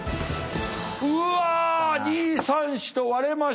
うわ２３４と割れました。